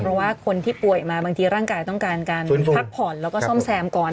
เพราะว่าคนที่ป่วยมาบางทีร่างกายต้องการการพักผ่อนแล้วก็ซ่อมแซมก่อน